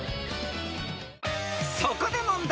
［そこで問題］